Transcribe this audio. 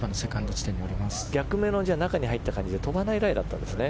逆目の中に入った感じで飛ばないライだったんですね。